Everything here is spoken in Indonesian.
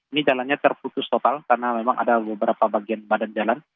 ini jalannya terputus total karena memang ada beberapa bagian badan jalan